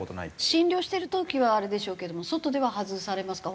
診療してる時はあれでしょうけども外では外されますか？